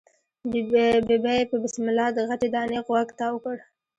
ببۍ په بسم الله د غټې دانی غوږ تاو کړ.